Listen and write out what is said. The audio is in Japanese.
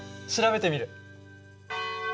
調べてみる！